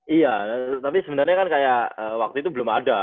iya tapi sebenernya kan kayak waktu itu belum ada